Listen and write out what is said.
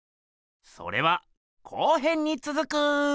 それは後編につづく。